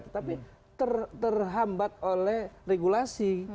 tetapi terhambat oleh regulasi